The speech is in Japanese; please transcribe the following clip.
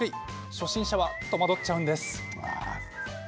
初心者は戸惑っちゃうんです。